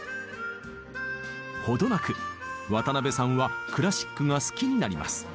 程なく渡辺さんはクラシックが好きになります。